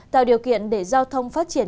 tạo điều kiện để giao thông phát triển